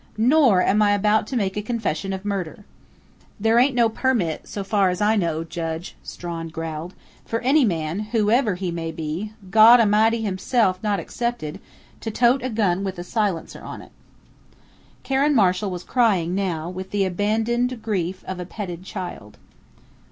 Nor am I about to make a confession of murder!" "There ain't no permit, so far as I know, Judge," Strawn growled, "for any man, whoever he may be God A'mighty himself not excepted to tote a gun with a silencer on it." Karen Marshall was crying now, with the abandoned grief of a petted child.